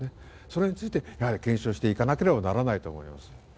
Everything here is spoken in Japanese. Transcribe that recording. それについて、やはり検証していかなければならないと思います。